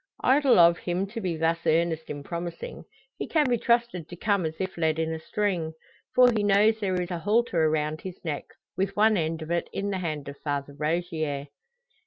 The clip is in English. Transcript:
Idle of him to be thus earnest in promising. He can be trusted to come as if led in a string. For he knows there is a halter around his neck, with one end of it in the hand of Father Rogier.